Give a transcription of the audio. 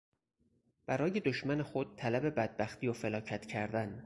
برای دشمن خود طلب بدبختی و فلاکت کردن